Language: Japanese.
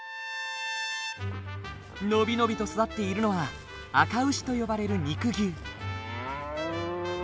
伸び伸びと育っているのはあか牛と呼ばれる肉牛。